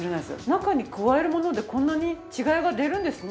中に加えるものでこんなに違いが出るんですね。